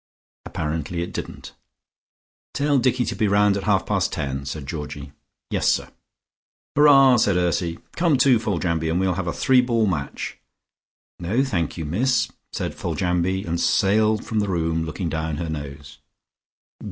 Apparently it didn't. "Tell Dicky to be round at half past ten," said Georgie. "Yes, sir." "Hurrah!" said Ursy. "Come, too, Foljambe, and we'll have a three ball match." "No, thank you, miss," said Foljambe, and sailed from the room, looking down her nose.